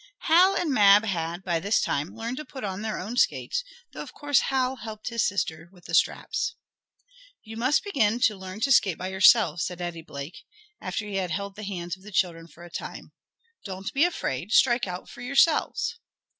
Hal and Mab had, by this time, learned to put on their own skates, though of course Hal helped his sister with the straps. "You must begin to learn to skate by yourselves," said Daddy Blake, after he had held the hands of the children for a time. "Don't be afraid, strike out for yourselves."